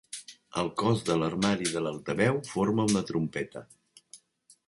El cos de l'armari de l'altaveu forma una trompeta.